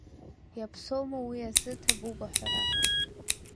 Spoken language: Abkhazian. Иаԥсоума уи азы ҭабуп аҳәара.